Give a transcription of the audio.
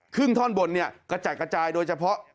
ครึ่งท่อนบนกระจ่ายโดยเฉพาะ